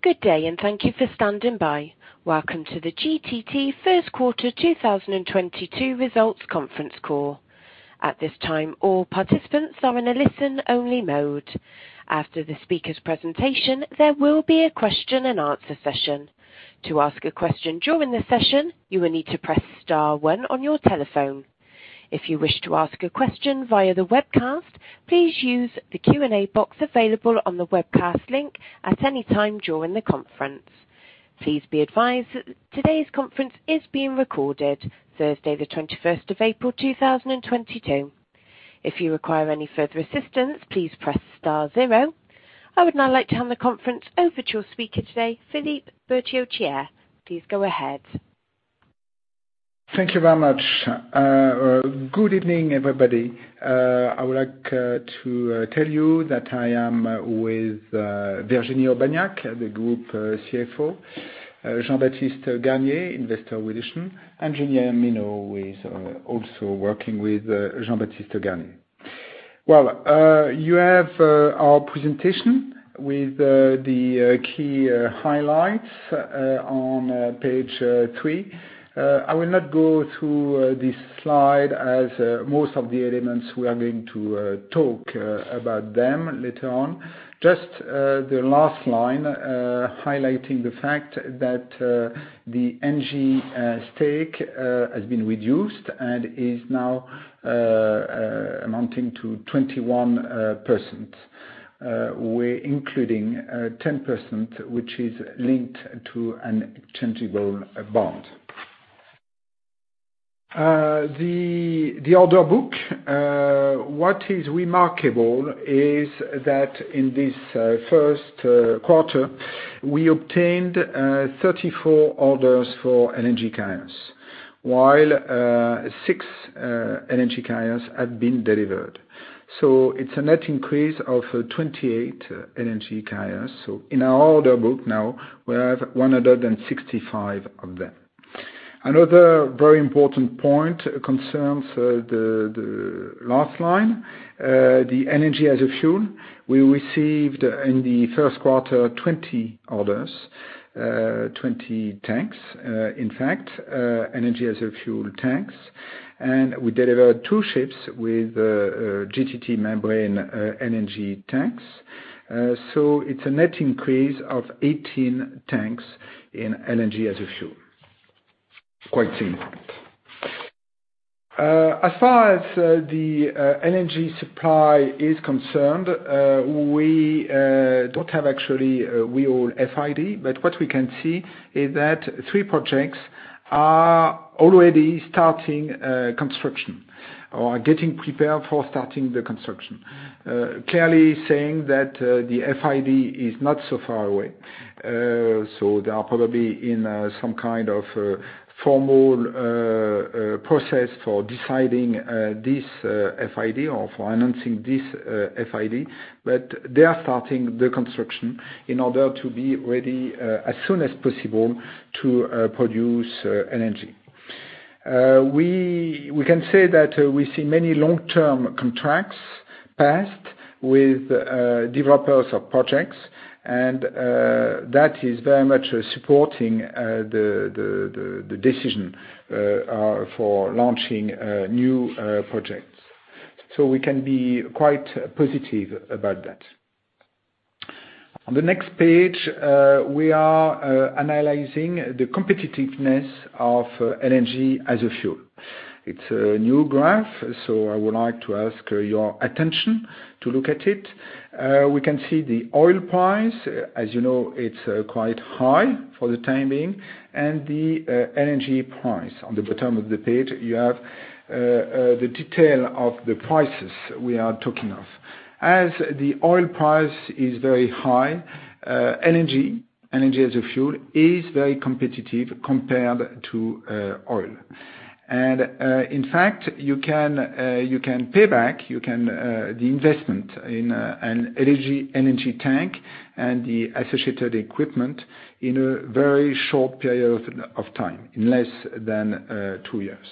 Good day, and thank you for standing by. Welcome to the GTT Q1 2022 Results Conference Call. At this time, all participants are in a listen-only mode. After the speaker's presentation, there will be a question-and-answer session. To ask a question during the session, you will need to press star one on your telephone. If you wish to ask a question via the webcast, please use the Q&A box available on the webcast link at any time during the conference. Please be advised that today's conference is being recorded, Thursday, the 21st of April, 2022. If you require any further assistance, please press star zero. I would now like to hand the conference over to your speaker today, Philippe Berterottière. Please go ahead. Thank you very much. Good evening, everybody. I would like to tell you that I am with Virginie Aubagnac, the Group CFO, Jean-Baptiste Garnier, Investor Relations, and Virginie Amiot is also working with Jean-Baptiste Garnier. You have our presentation with the key highlights on page three. I will not go through this slide as most of the elements we are going to talk about them later on. Just the last line highlighting the fact that the Engie stake has been reduced and is now amounting to 21%, including 10% which is linked to an exchangeable bond. The order book, what is remarkable is that in this Q1, we obtained 34 orders for LNG carriers, while six LNG carriers had been delivered. It's a net increase of 28 LNG carriers. In our order book now, we have 165 of them. Another very important point concerns the last line, the LNG as a fuel. We received in the Q1 20 orders, 20 tanks, in fact, LNG as a fuel tanks, and we delivered two ships with GTT membrane LNG tanks. So it's a net increase of 18 tanks in LNG as a fuel. Quite simple. As far as the LNG supply is concerned, we don't have actually real FID, but what we can see is that three projects are already starting construction or getting prepared for starting the construction, clearly saying that the FID is not so far away. So they are probably in some kind of formal process for deciding this FID or for announcing this FID, but they are starting the construction in order to be ready as soon as possible to produce LNG. We can say that we see many long-term contracts passed with developers of projects, and that is very much supporting the decision for launching new projects. So we can be quite positive about that. On the next page, we are analyzing the competitiveness of LNG as a fuel. It's a new graph, so I would like to ask your attention to look at it. We can see the oil price, as you know, it's quite high for the time being, and the LNG price. On the bottom of the page, you have the detail of the prices we are talking of. As the oil price is very high, LNG, LNG as a fuel is very competitive compared to oil. And in fact, you can pay back the investment in an LNG tank and the associated equipment in a very short period of time, in less than two years.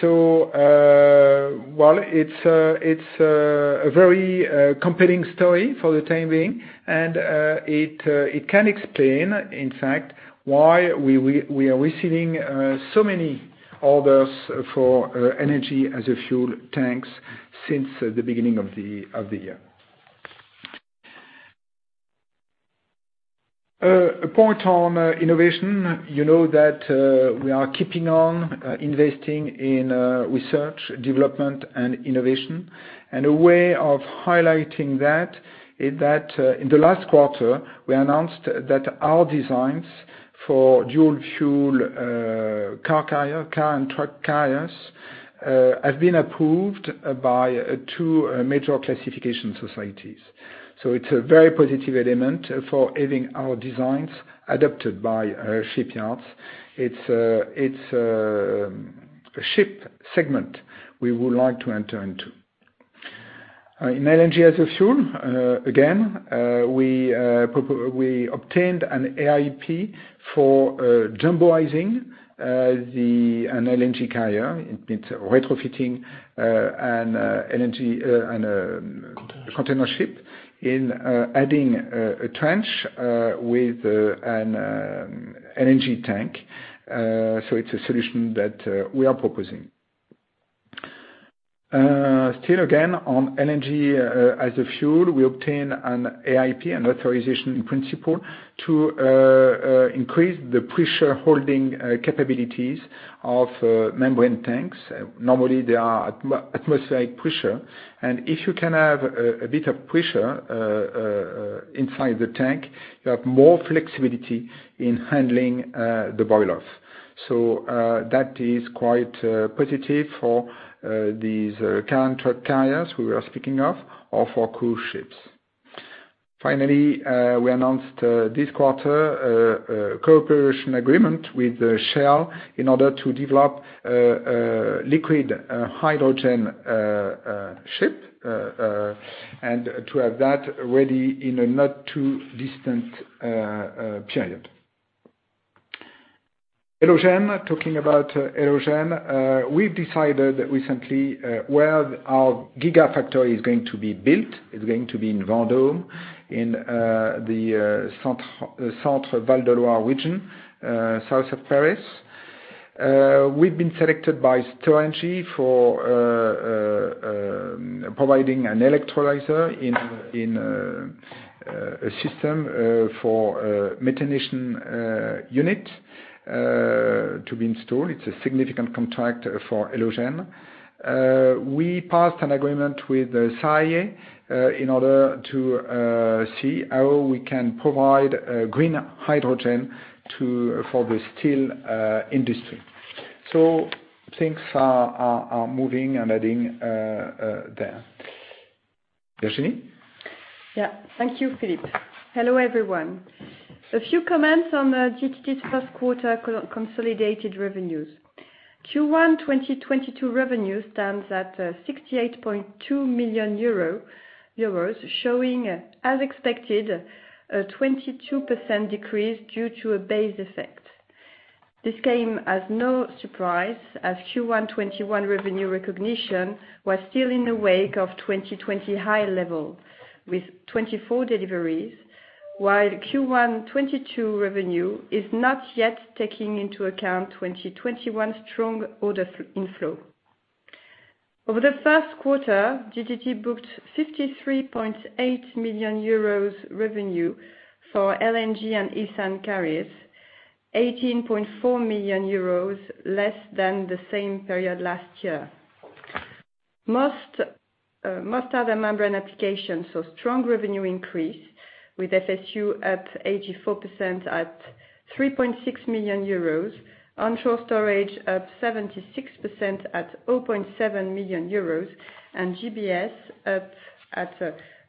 So while it's a very compelling story for the time being, and it can explain, in fact, why we are receiving so many orders for LNG as fuel tanks since the beginning of the year. A point on innovation, you know that we are keeping on investing in research, development, and innovation. And a way of highlighting that is that in the last quarter, we announced that our designs for dual fuel car carriers, car and truck carriers, have been approved by two major classification societies. So it's a very positive element for having our designs adopted by shipyards. It's a ship segment we would like to enter into. In LNG as a fuel, again, we obtained an AIP for jumboizing an LNG carrier, retrofitting an LNG. Container ship in adding a tranche with an LNG tank. So it's a solution that we are proposing. Still, again, on LNG as a fuel, we obtain an AIP, an authorization in principle, to increase the pressure holding capabilities of membrane tanks. Normally, they are at atmospheric pressure, and if you can have a bit of pressure inside the tank, you have more flexibility in handling the boil-off. So that is quite positive for these car and truck carriers we were speaking of or for cruise ships. Finally, we announced this quarter a cooperation agreement with Shell in order to develop a liquid hydrogen ship and to have that ready in a not too distant period. Elogen, talking about Elogen, we've decided recently where our gigafactory is going to be built. It's going to be in Vendôme, in the Centre-Val de Loire region, south of Paris.We've been selected by Storengy for providing an electrolyzer in a system for methanation unit to be installed. It's a significant contract for Elogen. We passed an agreement with Saipem in order to see how we can provide green hydrogen for the steel industry. So things are moving and adding there. Virginie? Yeah. Thank you, Philippe. Hello, everyone. A few comments on GTT's Q1 consolidated revenues. Q1 2022 revenue stands at 68.2 million euro, showing, as expected, a 22% decrease due to a base effect. This came as no surprise as Q1 2021 revenue recognition was still in the wake of 2020 high level with 24 deliveries, while Q1 2022 revenue is not yet taking into account 2021 strong order inflow. Over the Q1, GTT booked 53.8 million euros revenue for LNG and ethane carriers, 18.4 million euros less than the same period last year. Most other membrane applications saw strong revenue increase with FSU up 84% at 3.6 million euros, onshore storage up 76% at 0.7 million euros, and GBS up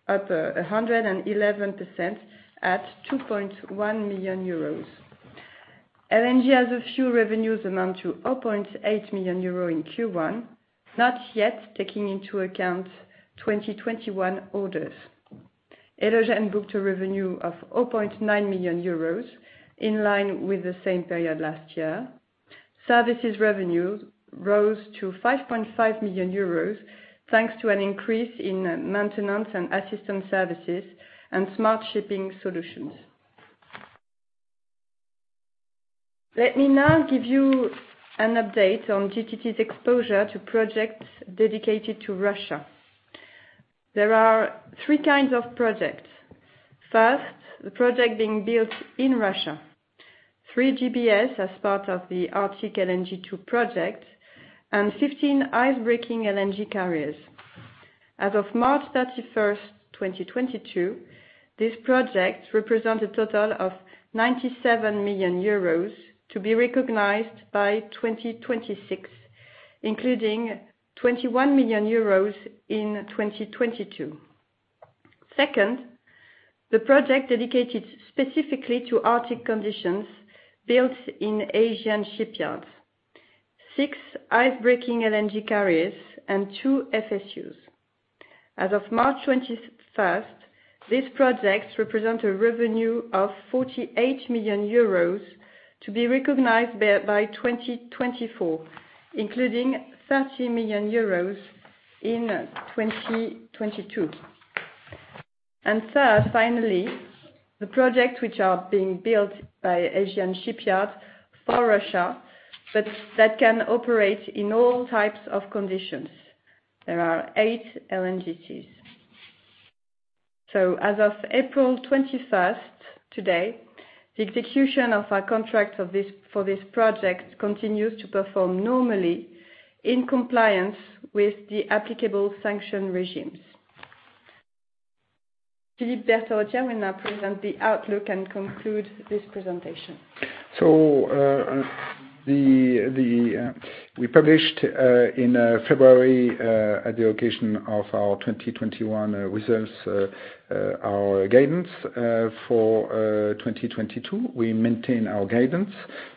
111% at 2.1 million euros. LNG as a fuel revenues amount to 0.8 million euros in Q1, not yet taking into account 2021 orders. Elogen booked a revenue of 0.9 million euros in line with the same period last year. Services revenue rose to 5.5 million euros thanks to an increase in maintenance and assistance services and Smart Shipping solutions. Let me now give you an update on GTT's exposure to projects dedicated to Russia. There are three kinds of projects. First, the project being built in Russia, three GBS as part of the Arctic LNG 2 project, and 15 ice-breaking LNG carriers. As of March 31st, 2022, this project represents a total of 97 million euros to be recognized by 2026, including EUR 21 million in 2022. Second, the project dedicated specifically to Arctic conditions built in Asian shipyards, six ice-breaking LNG carriers, and two FSUs. As of March 21st, these projects represent a revenue of 48 million euros to be recognized by 2024, including 30 million euros in 2022. And third, finally, the projects which are being built by Asian shipyards for Russia but that can operate in all types of conditions. There are eight LNGCs. So as of April 21st, today, the execution of our contract for this project continues to perform normally in compliance with the applicable sanction regimes. Philippe Berterottière will now present the outlook and conclude this presentation. We published in February in the publication of our 2021 results, our guidance for 2022. We maintain our guidance.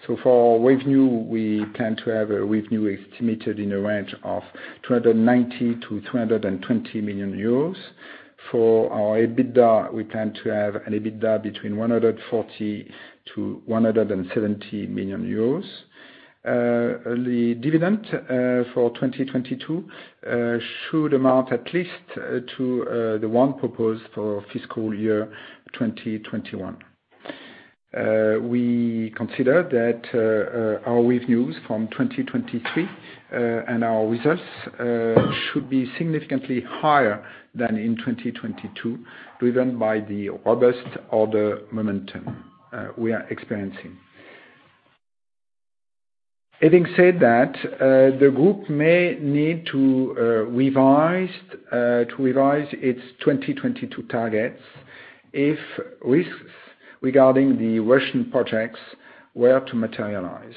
For revenue, we plan to have a revenue estimated in the range of 290 million-320 million euros. For our EBITDA, we plan to have an EBITDA between 140 million-170 million euros. The dividend for 2022 should amount at least to the one proposed for fiscal year 2021. We consider that our revenues from 2023 and our results should be significantly higher than in 2022, driven by the robust order momentum we are experiencing. Having said that, the group may need to revise its 2022 targets if risks regarding the Russian projects were to materialize.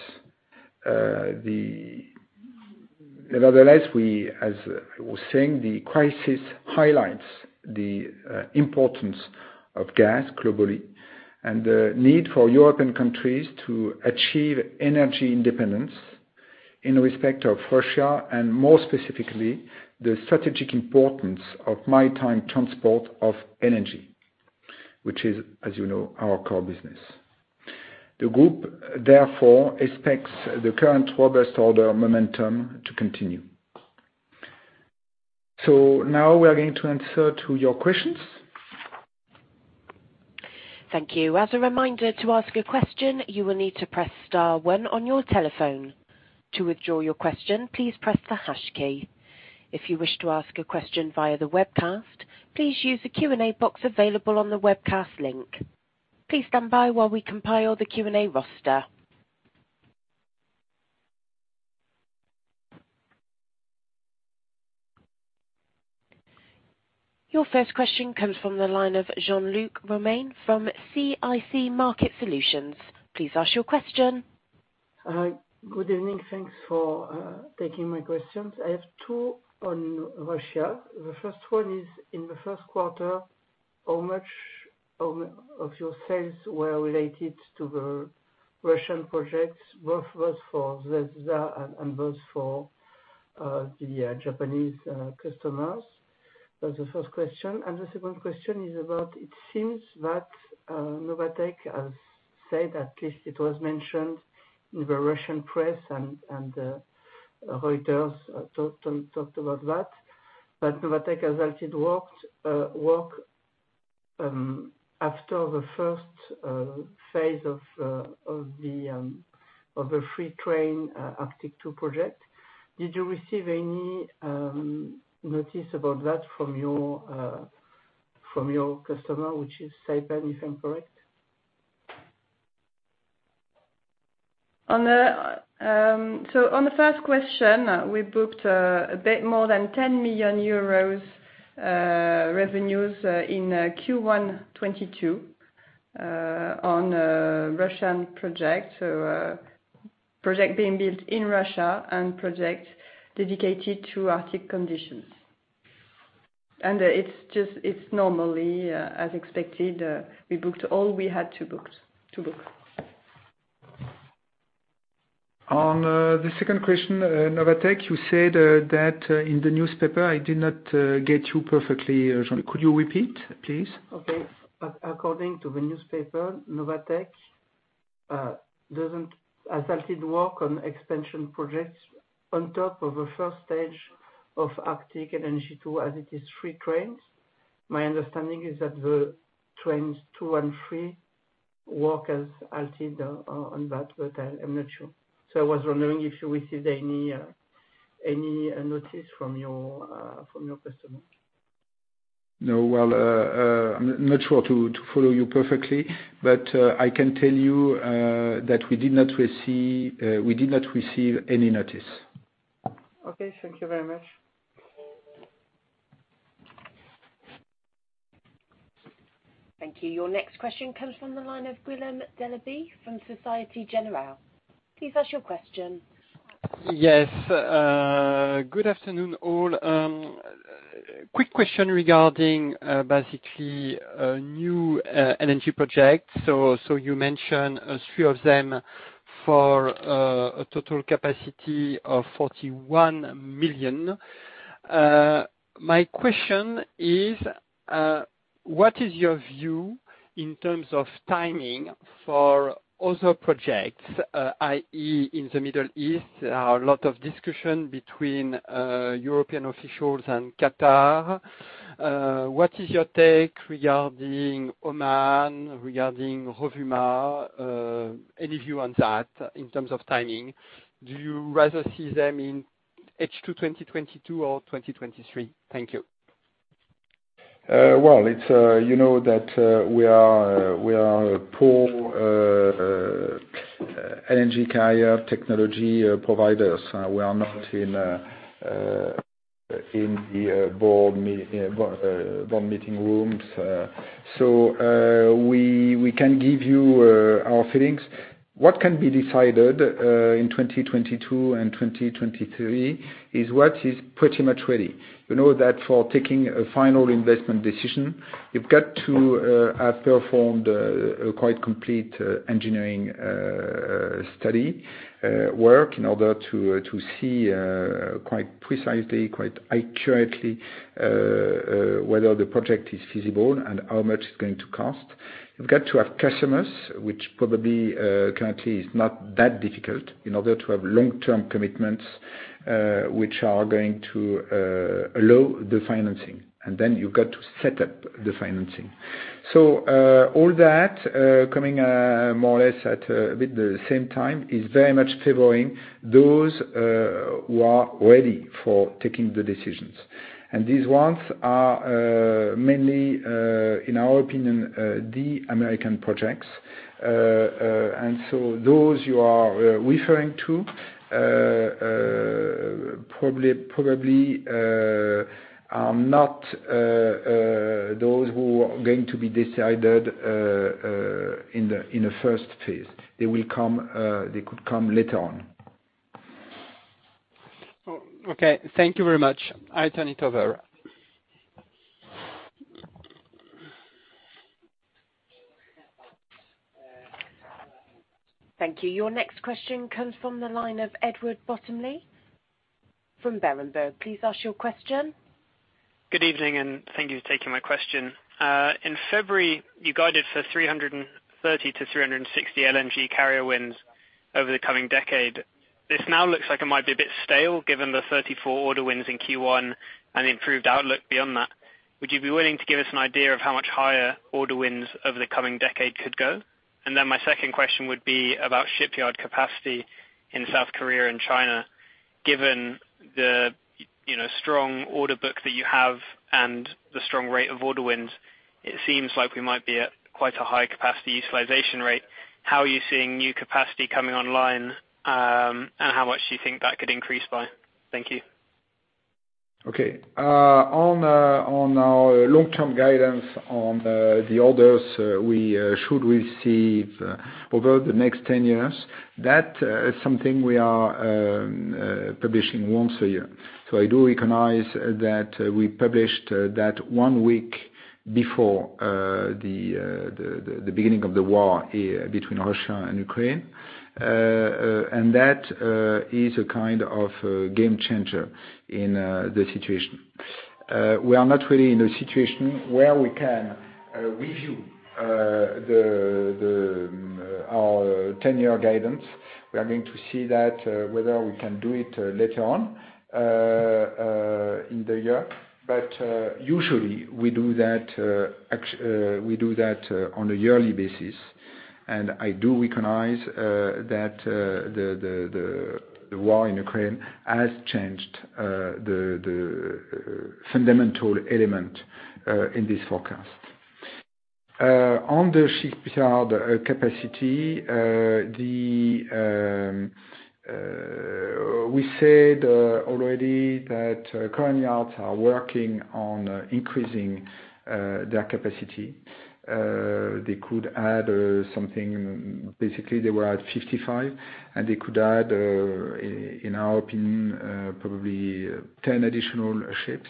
Nevertheless, as I was saying, the crisis highlights the importance of gas globally and the need for European countries to achieve energy independence in respect of Russia and, more specifically, the strategic importance of maritime transport of energy, which is, as you know, our core business. The group, therefore, expects the current robust order momentum to continue. So now we are going to answer to your questions. Thank you. As a reminder, to ask a question, you will need to press star one on your telephone. To withdraw your question, please press the hash key. If you wish to ask a question via the webcast, please use the Q&A box available on the webcast link. Please stand by while we compile the Q&A roster. Your first question comes from the line of Jean-Luc Romain from CIC Market Solutions. Please ask your question. Good evening. Thanks for taking my questions. I have two on Russia. The first one is, in the Q1, how much of your sales were related to the Russian projects, both for Zvezda and both for the Japanese customers? That's the first question. And the second question is about, it seems that Novatek has said, at least it was mentioned in the Russian press, and Reuters talked about that, that Novatek has had its work after the first phase of the first train Arctic LNG 2 project. Did you receive any notice about that from your customer, which is Saipem, if I'm correct? On the first question, we booked a bit more than 10 million euros revenues in Q1 2022 on Russian projects, project being built in Russia and project dedicated to Arctic conditions. It's normally, as expected, we booked all we had to book. On the second question, Novatek, you said that in the newspaper, I did not get you perfectly. Could you repeat, please? Okay. According to the newspaper, Novatek hasn't halted work on expansion projects on top of the first stage of Arctic LNG 2 as it is three trains. My understanding is that the work on trains two and three is halted on that, but I'm not sure. So I was wondering if you received any notice from your customer. No. Well, I'm not sure to follow you perfectly, but I can tell you that we did not receive any notice. Okay. Thank you very much. Thank you. Your next question comes from the line of Guillaume Delaby from Société Générale. Please ask your question. Yes. Good afternoon, all. Quick question regarding basically new energy projects. So you mentioned a few of them for a total capacity of 41 million. My question is, what is your view in terms of timing for other projects, i.e., in the Middle East? There are a lot of discussions between European officials and Qatar. What is your take regarding Oman, regarding Rovuma, any view on that in terms of timing? Do you rather see them in H2 2022 or 2023? Thank you. Well, you know that we are pure LNG carrier technology providers. We are not in the board meeting rooms. So we can give you our feelings. What can be decided in 2022 and 2023 is what is pretty much ready. You know that for taking a final investment decision, you've got to have performed a quite complete engineering study work in order to see quite precisely, quite accurately whether the project is feasible and how much it's going to cost. You've got to have customers, which probably currently is not that difficult in order to have long-term commitments which are going to allow the financing. And then you've got to set up the financing. So all that, coming more or less at about the same time, is very much favoring those who are ready for taking the decisions. And these ones are mainly, in our opinion, the American projects. And so those you are referring to probably are not those who are going to be decided in the first phase. They could come later on. Okay. Thank you very much. I turn it over. Thank you. Your next question comes from the line of Edward Bottomley from Berenberg. Please ask your question. Good evening, and thank you for taking my question. In February, you guided for 330-360 LNG carrier wins over the coming decade. This now looks like it might be a bit stale given the 34 order wins in Q1 and the improved outlook beyond that. Would you be willing to give us an idea of how much higher order wins over the coming decade could go? And then my second question would be about shipyard capacity in South Korea and China. Given the strong order book that you have and the strong rate of order wins, it seems like we might be at quite a high capacity utilization rate. How are you seeing new capacity coming online, and how much do you think that could increase by? Thank you. Okay. On our long-term guidance on the orders we should receive over the next 10 years, that is something we are publishing once a year. So I do recognize that we published that one week before the beginning of the war between Russia and Ukraine, and that is a kind of game changer in the situation. We are not really in a situation where we can review our 10-year guidance. We are going to see whether we can do it later on in the year. But usually, we do that on a yearly basis. And I do recognize that the war in Ukraine has changed the fundamental element in this forecast. On the shipyard capacity, we said already that current yards are working on increasing their capacity. They could add something. Basically, they were at 55, and they could add, in our opinion, probably 10 additional ships.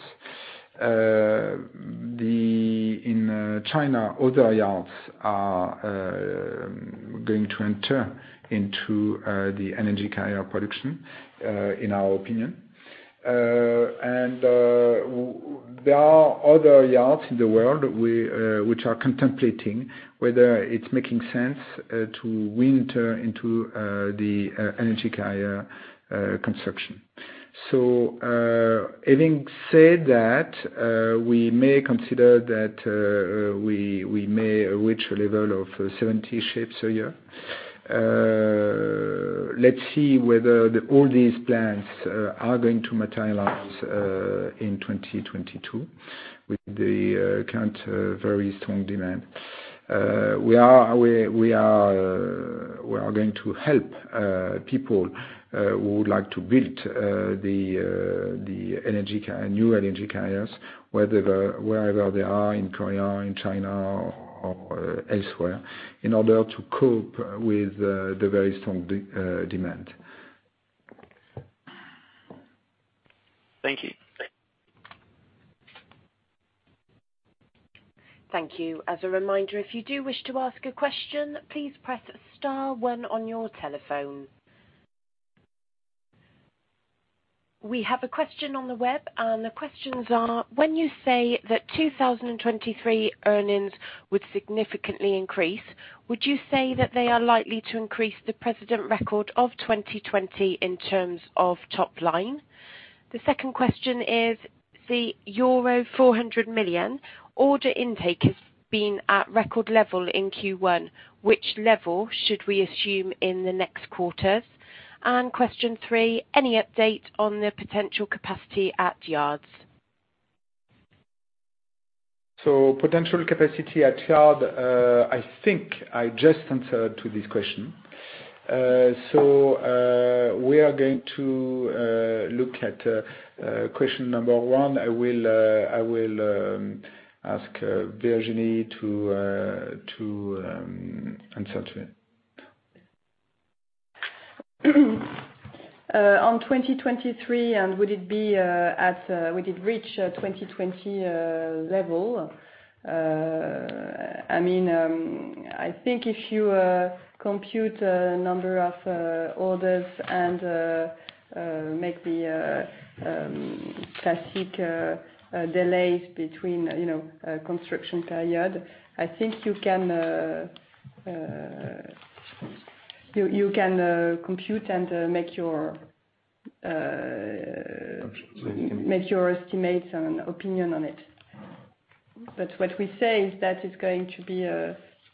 In China, other yards are going to enter into the LNG carrier production, in our opinion. And there are other yards in the world which are contemplating whether it's making sense to venture into the LNG carrier construction. So having said that, we may consider that we may reach a level of 70 ships a year. Let's see whether all these plans are going to materialize in 2022 with the current very strong demand. We are going to help people who would like to build the new LNG carriers, wherever they are, in Korea, in China, or elsewhere, in order to cope with the very strong demand. Thank you. Thank you. As a reminder, if you do wish to ask a question, please press star one on your telephone. We have a question on the web, and the questions are: When you say that 2023 earnings would significantly increase, would you say that they are likely to increase the present record of 2020 in terms of top line? The second question is: The euro 400 million order intake has been at record level in Q1. Which level should we assume in the next quarters? And question three: Any update on the potential capacity at yards? So, potential capacity at yard, I think I just answered to this question. So, we are going to look at question number one. I will ask Virginie to answer to it. In 2023, would it reach 2020 level? I mean, I think if you compute the number of orders and make the classic delays between construction periods, I think you can compute and make your estimates and opinion on it. But what we say is that it's going to be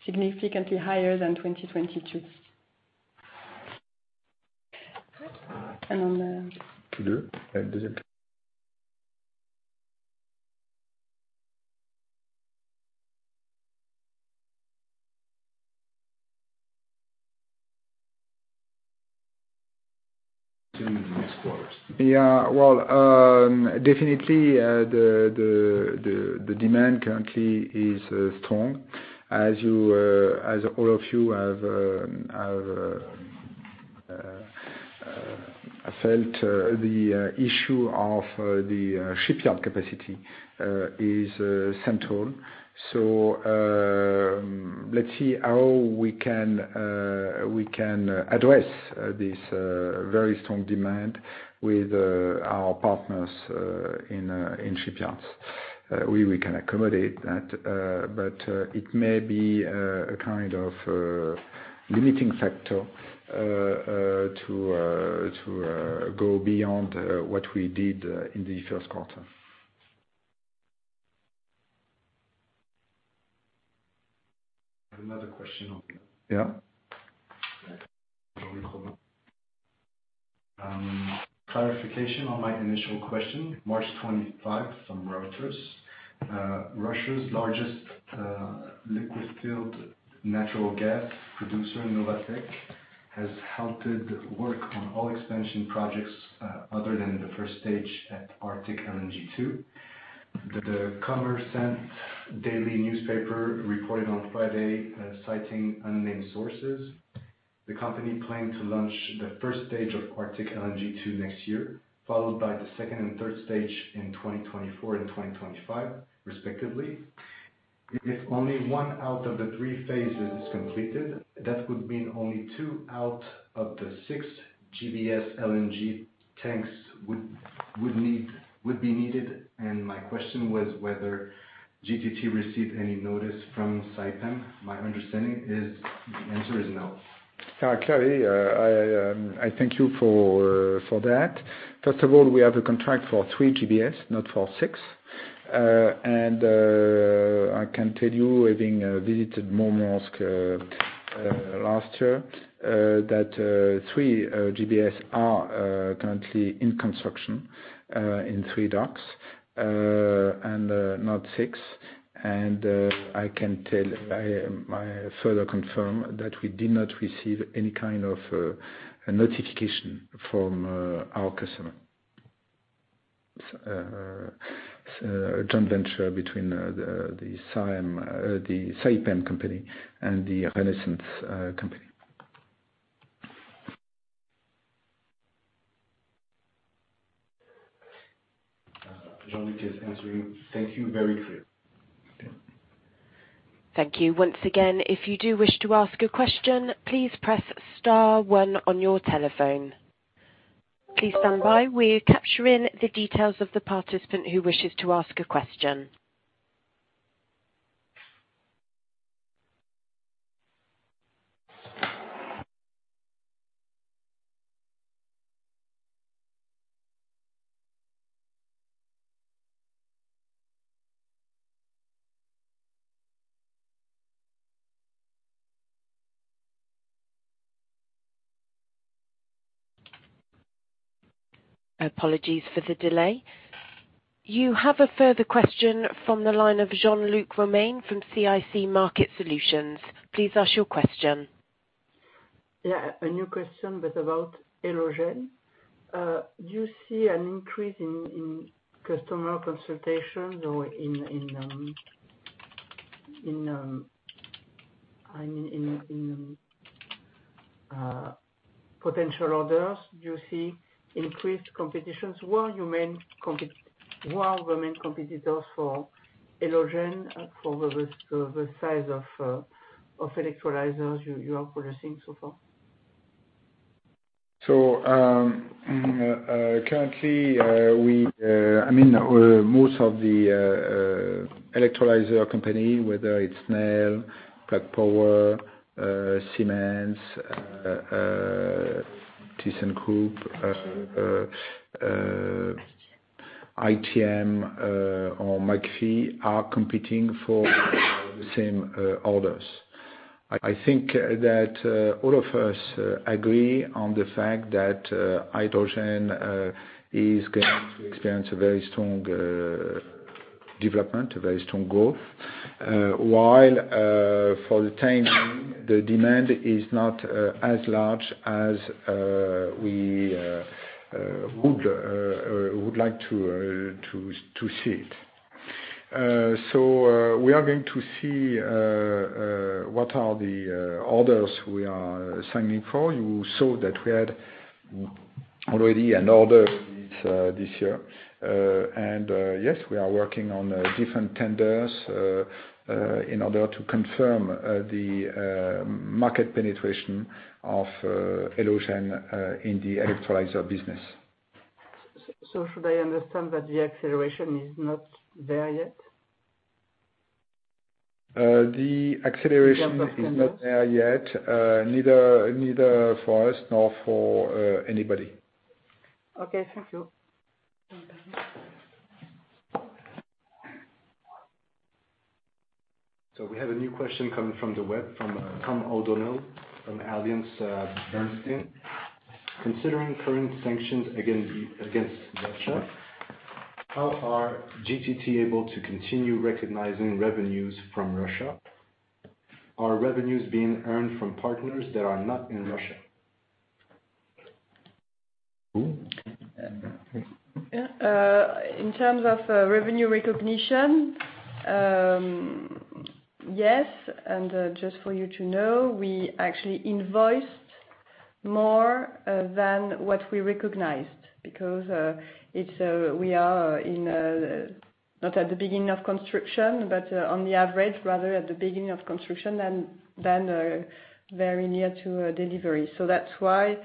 significantly higher than 2022. And on the. To do? Yeah. Well, definitely, the demand currently is strong. As all of you have felt, the issue of the shipyard capacity is central. So let's see how we can address this very strong demand with our partners in shipyards. We can accommodate that, but it may be a kind of limiting factor to go beyond what we did in the Q1. Another question on. Yeah? Clarification on my initial question. March 25, from Reuters. Russia's largest liquefied natural gas producer, Novatek, has halted work on all expansion projects other than the first stage at Arctic LNG 2. The Kommersant newspaper reported on Friday, citing unnamed sources, the company planning to launch the first stage of Arctic LNG 2 next year, followed by the second and third stage in 2024 and 2025, respectively. If only one out of the three phases is completed, that would mean only two out of the six GBS LNG tanks would be needed. My question was whether GTT received any notice from Saipem. My understanding is the answer is no. Thank you for that. First of all, we have a contract for three GBS, not for six. And I can tell you, having visited Murmansk last year, that three GBS are currently in construction in three docks and not six. And I can further confirm that we did not receive any kind of notification from our customer, joint venture between the Saipem company and the Renaissance company. Thank you, very clear. Thank you. Once again, if you do wish to ask a question, please press star one on your telephone. Please stand by. We're capturing the details of the participant who wishes to ask a question. Apologies for the delay. You have a further question from the line of Jean-Luc Romain from CIC Market Solutions. Please ask your question. Yeah. A new question, what about Elogen? Do you see an increase in customer consultations or in potential orders? Do you see increased competitions? Who are your main competitors for Elogen for the size of electrolyzers you are producing so far? So currently, I mean, most of the electrolyzer companies, whether it's NEL, Plug Power, Siemens, ThyssenKrupp, ITM, or McPhy are competing for the same orders. I think that all of us agree on the fact that hydrogen is going to experience a very strong development, a very strong growth, while for the tank, the demand is not as large as we would like to see it. So we are going to see what are the orders we are signing for. You saw that we had already an order this year. And yes, we are working on different tenders in order to confirm the market penetration of Elogen in the electrolyzer business. So should I understand that the acceleration is not there yet? The acceleration is not there yet, neither for us nor for anybody. Okay. Thank you. So we have a new question coming from the web from Tom O'Donnell from AllianceBernstein. Considering current sanctions against Russia, how are GTT able to continue recognizing revenues from Russia? Are revenues being earned from partners that are not in Russia? In terms of revenue recognition, yes. And just for you to know, we actually invoiced more than what we recognized because we are not at the beginning of construction, but on the average, rather at the beginning of construction than very near to delivery. So that's why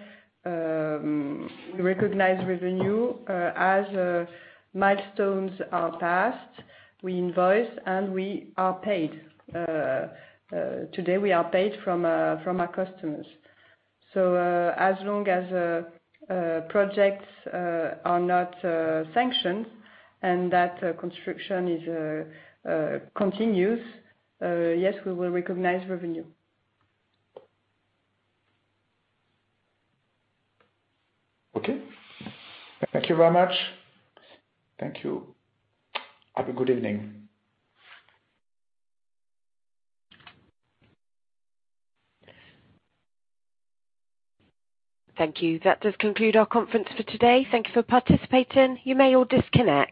we recognize revenue as milestones are passed, we invoice, and we are paid. Today, we are paid from our customers. So as long as projects are not sanctioned and that construction continues, yes, we will recognize revenue. Okay. Thank you very much. Thank you. Have a good evening. Thank you. That does conclude our conference for today. Thank you for participating. You may all disconnect.